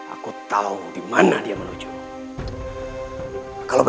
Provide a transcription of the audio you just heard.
aku tahu dimana dia melakukannya